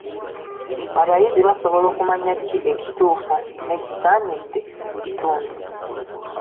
Abayizi basobola okumanya ki ekituufu n'ekisaanidde mu kitundu.